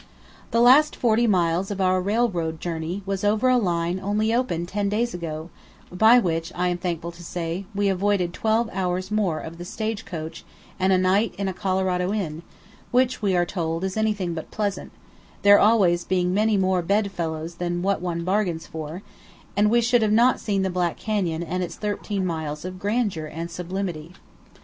The last forty miles of our railroad journey was over a line only opened ten days ago, by which, I am thankful to say, we avoided twelve hours more of the stage coach and a night in a Colorado inn, which, we are told, is anything but pleasant, there always being many more bed fellows than what one bargains for; and we should not have seen the Black Canyon and its thirteen miles of grandeur and sublimity.